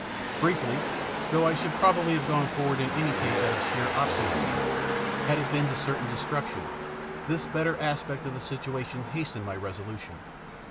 Briefly, though I should probably have gone forward in any case out of sheer obstinacy, had it been to certain destruction, this better aspect of the situation hastened my resolution.